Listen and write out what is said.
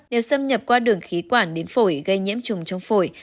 đều xâm nhập qua đường khí quản đến phổi gây nhiễm trùng trong phổi